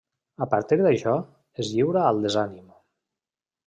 A partir d'això, es lliura al desànim.